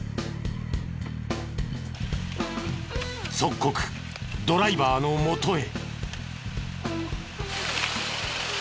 即刻ドライバーの元へ。